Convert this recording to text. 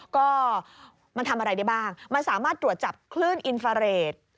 ก็มันทำอะไรได้บ้างมันสามารถตรวจจับคลื่นอินฟาเรท